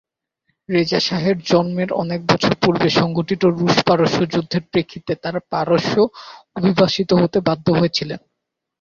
রেজা শাহের জন্মের অনেক বছর পূর্বে সংঘটিত রুশ-পারস্য যুদ্ধের প্রেক্ষিতে তারা পারস্যে অভিবাসিত হতে বাধ্য হয়েছিলেন।